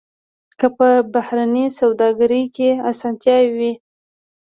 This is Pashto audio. که په بهرنۍ سوداګرۍ کې اسانتیا وي.